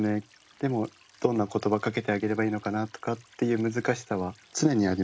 でもどんな言葉かけてあげればいいのかなとかっていう難しさは常にありますね。